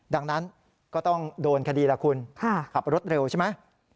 ดังนั้นก็ต้องโดนคดีล่ะคุณขับรถเร็วใช่ไหม